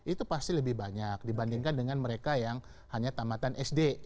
itu pasti lebih banyak dibandingkan dengan mereka yang hanya tamatan sd